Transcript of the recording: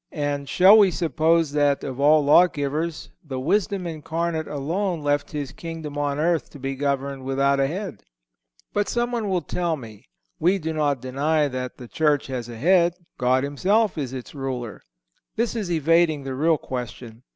And shall we suppose that, of all lawgivers, the Wisdom Incarnate alone left His Kingdom on earth to be governed without a head? But someone will tell me: "We do not deny that the Church has a head. God himself is its Ruler." This is evading the real question.